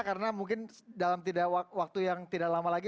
karena mungkin dalam waktu yang tidak lama lagi